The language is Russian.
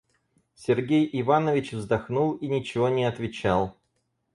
Сергей Иванович вздохнул и ничего не отвечал.